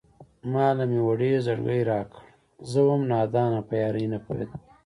ما له مې وړی زړگی راکړه زه وم نادانه په يارۍ نه پوهېدمه